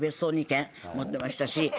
持ってましたし。